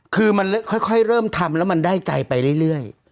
คือมันค่อยเริ่มทำแล้วมันได้ใจไปเรื่อย